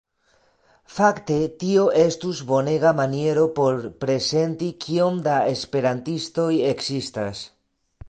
Fakte tio estus bonega maniero por prezenti kiom da esperantistoj ekzistas.